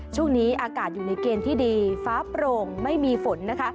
ช่วงนี้อากาศอยู่ในเกณฑ์ที่ดีฟ้าโปร่งไม่มีฝนนะคะ